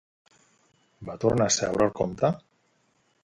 Va tornar a seure el comte?